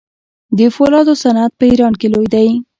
د فولادو صنعت په ایران کې لوی دی.